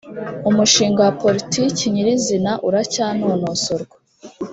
umushinga wa politiki nyir’izina uracyanonosorwa